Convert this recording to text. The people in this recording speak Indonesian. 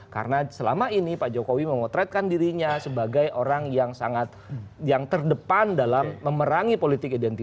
karena selama ini pak jokowi memotretkan dirinya sebagai orang yang sangat yang terdepan dalam memerangi politik identitas